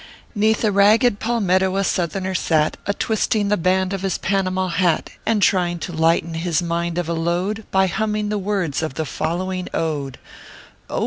Neath a ragged palmetto a Southerner sat, A twisting the band of his Panama hat, And trying to lighten his mind of a load By humming the words of the following ode :" Oh!